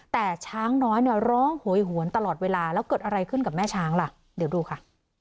แต่ช้างน้อยเนี่ยร้องโหยหวนตลอดเวลาแล้วเกิดอะไรขึ้นกับแม่ช้างล่ะเดี๋ยวดูค่ะ